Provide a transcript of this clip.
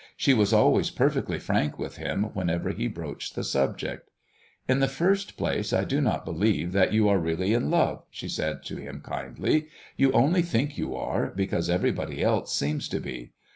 She was always perfectly frank with him whenever he broached the subject. "In the first place, I do not believe that you are really in love," she said to him kindly; "you only think you are, because everybody else seems to be.